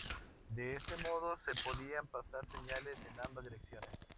De este modo se podían pasar señales en ambas direcciones.